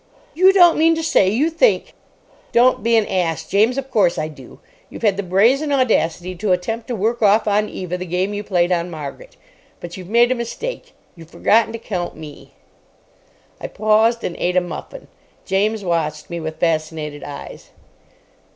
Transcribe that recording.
"You don't mean to say you think——!" "Don't be an ass, James. Of course I do. You've had the brazen audacity to attempt to work off on Eva the game you played on Margaret. But you've made a mistake. You've forgotten to count me." I paused, and ate a muffin. James watched me with fascinated eyes.